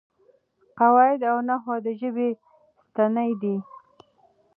قواعد او نحو د ژبې ستنې دي.